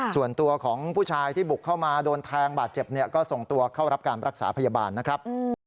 ส่วนตัวของผู้ชายที่บุกเข้ามาโดนแทงบาดเจ็บเนี่ยก็ส่งตัวเข้ารับการรักษาพยาบาลนะครับ